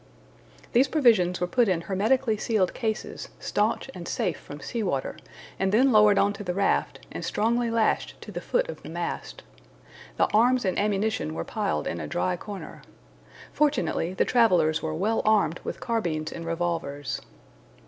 These provisions were put in hermetically sealed cases, staunch and safe from sea water, and then lowered on to the raft and strongly lashed to the foot of the mast. The arms and ammunition were piled in a dry corner. Fortunately the travelers were well armed with carbines and revolvers.